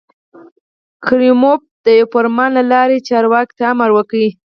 کریموف د یوه فرمان له لارې چارواکو ته امر وکړ.